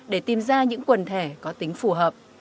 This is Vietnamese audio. để tìm ra những quần thể có tính phù hợp